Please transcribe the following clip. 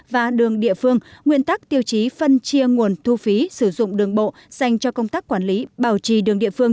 và đường địa phương nguyên tắc tiêu chí phân chia nguồn thu phí sử dụng đường bộ dành cho công tác quản lý bảo trì đường địa phương